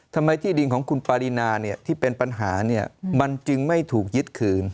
ทำไมที่ดินของคุณปารีนาที่เป็นปัญหามันจึงไม่ถูกยึดคืน